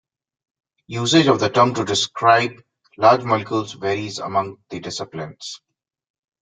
Usage of the term to describe large molecules varies among the disciplines.